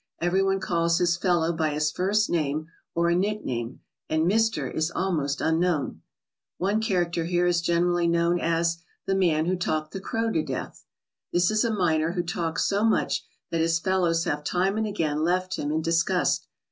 Everyone calls his fellow by his first name or a nickname, and "mister" is almost un known. One character here is generally known as "the man who talked the crow to death." This is a miner who talks so much that his fellows have time and again left him in dis gust.